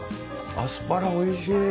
アスパラおいしい！